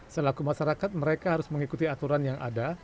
selaku masyarakat mereka harus mengikuti aturan yang ada